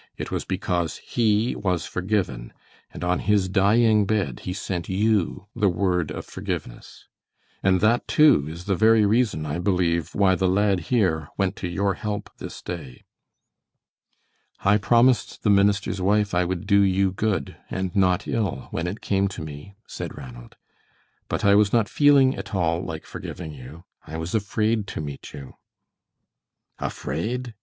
"It was because he was forgiven, and on his dying bed he sent you the word of forgiveness. And that, too, is the very reason, I believe, why the lad here went to your help this day." "I promised the minister's wife I would do you good and not ill, when it came to me," said Ranald. "But I was not feeling at all like forgiving you. I was afraid to meet you." "Afraid?"